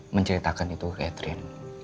menceritakan itu ke catherine